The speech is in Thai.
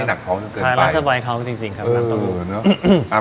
ถ่ายแล้วสบายท้องจริงครับน้ำหนู